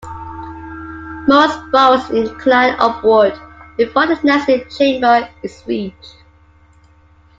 Most burrows incline upward before the nesting chamber is reached.